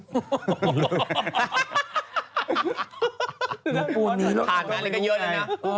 เพราะเธอผ่าวันไลข์กันเยอะแล้วนะ